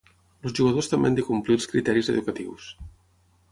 Els jugadors també han de complir els criteris educatius.